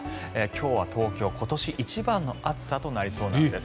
今日は東京、今年一番の暑さとなりそうなんです。